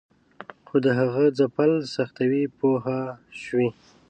خو د هغه ځپل سختوي پوه شوې!.